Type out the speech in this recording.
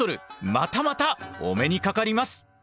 またまたお目にかかります！